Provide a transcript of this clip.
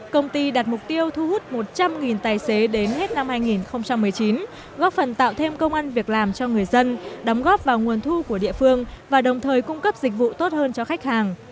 công ty đặt mục tiêu thu hút một trăm linh tài xế đến hết năm hai nghìn một mươi chín góp phần tạo thêm công an việc làm cho người dân đóng góp vào nguồn thu của địa phương và đồng thời cung cấp dịch vụ tốt hơn cho khách hàng